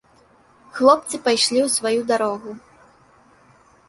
Хлопцы пайшлі ў сваю дарогу.